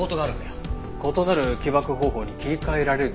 異なる起爆方法に切り替えられるという事か。